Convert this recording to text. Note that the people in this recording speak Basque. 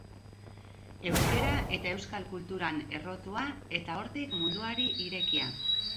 Euskara eta euskal kulturan errotua eta hortik munduari irekia.